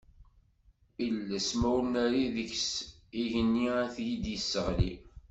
Iles, ma ur nerri deg-s, igenni ad t-id-yesseɣli.